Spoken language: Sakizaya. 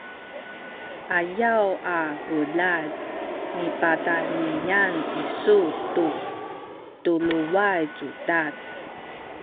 ayaw a bulad nipatayniyan isu tu tuluway cudad